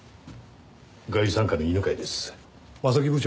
外事三課の犬飼です。